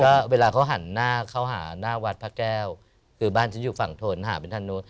ก็เวลาเขาหันหน้าเข้าหาหน้าวัดพระแก้วคือบ้านฉันอยู่ฝั่งทนหาเป็นทางนู้น